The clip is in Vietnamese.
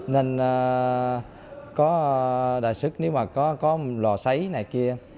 nên có đại sức nếu có lò xấy này kia